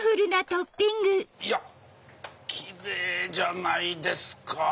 いやっ奇麗じゃないですか！